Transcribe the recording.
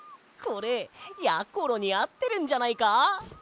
これやころにあってるんじゃないか？